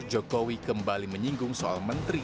jokowi kembali menyinggung soal menteri